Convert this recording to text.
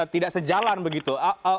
tidak sejalan begitu